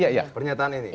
dengan pernyataan ini